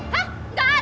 hah nggak ada